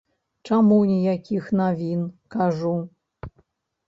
Чаму ніякіх навін, кажу.